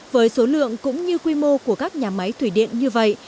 với số lượng cũng như quy mô của các nhà máy thủy điện như vậy